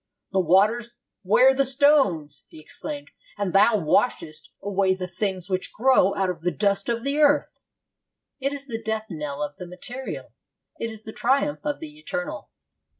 'The waters wear the stones,' he exclaimed, 'and Thou washest away the things which grow out of the dust of the earth.' It is the death knell of the material. It is the triumph of the eternal.